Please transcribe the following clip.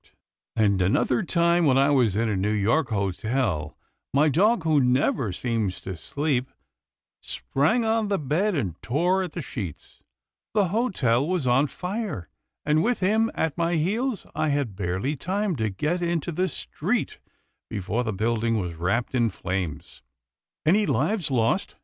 100 'TILDA JANE'S ORPHANS " And another time, when I was in a New York hotel, my dog, who never seems to sleep, sprang on the bed and tore at the sheets. The hotel was on fire, and, with him at my heels, I had barely time to get into the street, before the building was wrapped in flames." " Any lives lost